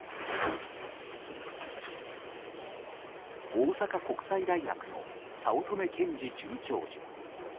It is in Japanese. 大阪国際大学の五月女賢司准教授。